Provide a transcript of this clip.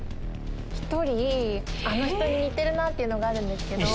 １人あの人に似てるなっていうのがあるんですけど。